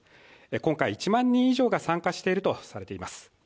今回、１万人以上が参加しているとされています。